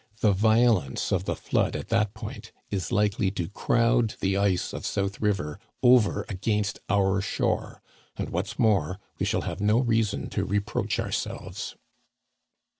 The violence of the flood at that point is likely to crowd the ice of South River over against our shore ; and what's more, we shall have no reason to reproach ourselves."